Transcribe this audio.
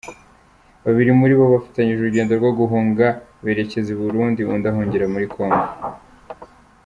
Babiri muri bo bafatanyije urugendo rwo guhunga berekeza i Burundi undi ahungira muri Congo.